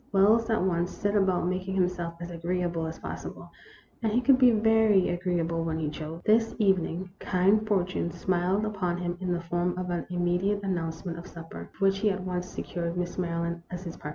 Wells at once set about making himself as agree able as possible, and he could be very agreeable when he chose. This evening kind fortune smiled upon him in the form of an immediate announce ment of supper, for which he at once secured Miss Maryland as his partner.